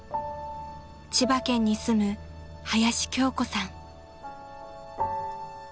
［千葉県に住む林京子さん］